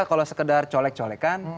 kalau sekedar colek colekan